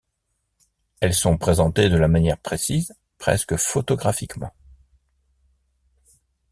Elles sont présentées de la manière précise, presque photographiquement.